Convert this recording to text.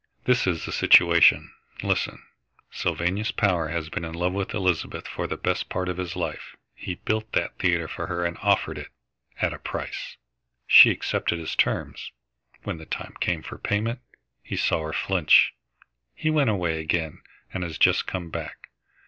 "This is the situation. Listen. Sylvanus Power has been in love with Elizabeth for the best part of his life. He built that theatre for her and offered it at a price. She accepted his terms. When the time came for payment, he saw her flinch. He went away again and has just come back.